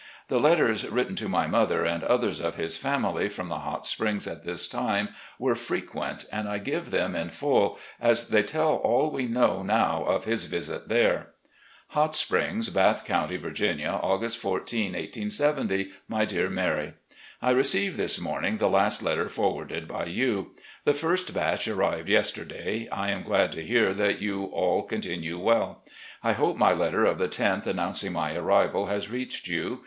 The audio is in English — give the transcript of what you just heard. The letters written to my mother and others of his family from the Hot Springs at this time were frequent, and I give them in full, as they tell all we know now of his visit there :" Hot Springs, Bath Coimty, Virginia, August 14, 1870. "My Dear Mary: I received this morning the last let ters forwarded by you. The first batch arrived yesterday. I am glad to hear that you all continue well. I hope my letter of the loth, announcing my arrival, has reached you.